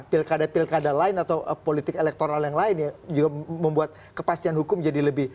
pilkada pilkada lain atau politik elektoral yang lain ya juga membuat kepastian hukum jadi lebih